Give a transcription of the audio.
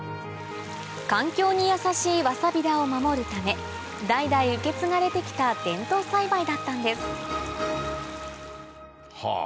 環境に優しいわさび田を守るため代々受け継がれて来た伝統栽培だったんですハァ